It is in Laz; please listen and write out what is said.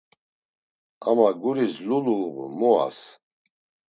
Ama guris lulu uğun mu as?